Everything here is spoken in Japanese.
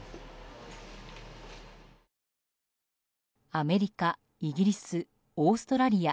アメリカ、イギリスオーストラリア